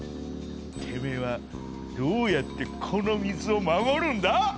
てめえはどうやってこの水を守るんだ？